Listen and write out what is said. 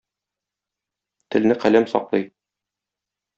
Телне каләм саклый.